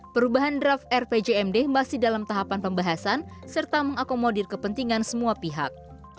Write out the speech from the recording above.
perubahan draft rpjmd masih dalam tahapan pembahasan serta mengakomodir kepentingan semua pihak